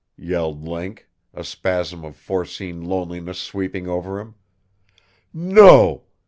yelled Link, a spasm of foreseen loneliness sweeping over him. "NO!!